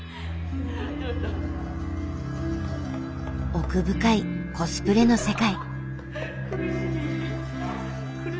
奥深いコスプレの世界。